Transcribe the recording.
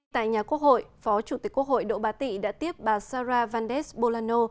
tại nhà quốc hội phó chủ tịch quốc hội đỗ bá tị đã tiếp bà sara vandes bulano